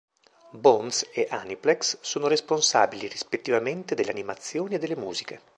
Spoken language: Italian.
Bones e Aniplex sono responsabili rispettivamente delle animazioni e delle musiche.